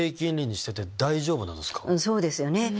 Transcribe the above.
そうですよね。